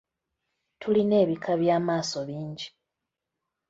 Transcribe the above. Tulina ebika by’amaaso bingi.